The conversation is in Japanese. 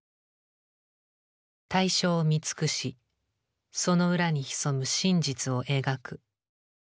対象を見尽くしその裏にひそむ真実を描く。